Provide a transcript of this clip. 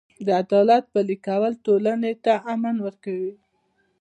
د عدالت پلي کول ټولنې ته امن ورکوي.